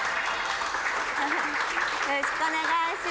よろしくお願いします。